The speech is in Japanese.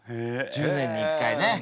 １０年に１回ね。